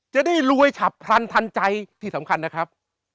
จะได้รวยฉับพลันทันใจที่สำคัญนะครับ